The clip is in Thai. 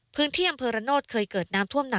พึ่งเที่ยมเผอร์โรดเคยเกิดน้ำท่วมทุ่มย่า